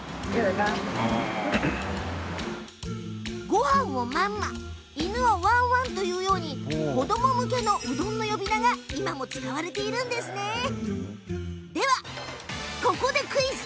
ごはんをまんま犬をワンワンというように子ども向けのうどんの呼び名が今も使われているんだそうです。